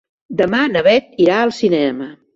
Demà na Beth irà al cinema.